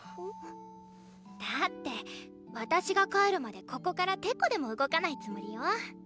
だって私が帰るまでここからテコでも動かないつもりよ。